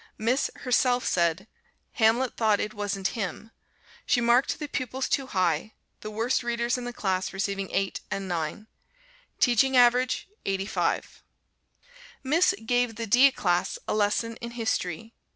Miss herself, said "Hamlet thought it wasn't him." She marked the pupils too high, the worst readers in the class receiving 8 and 9. Teaching average 85. Miss gave the D class a lesson in History.